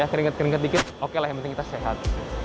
keringat keringet dikit oke lah yang penting kita sehat